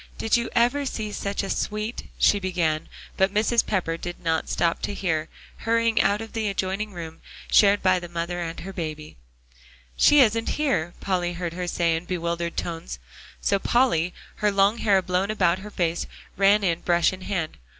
Did you ever see such a sweet" she began, but Mrs. Pepper did not stop to hear, hurrying out to the adjoining room, shared by the mother and her baby. "She isn't here," Polly heard her say in bewildered tones. So Polly, her long hair blown about her face, ran in, brush in hand.